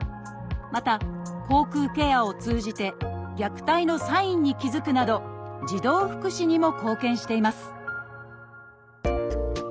また口腔ケアを通じて虐待のサインに気付くなど児童福祉にも貢献しています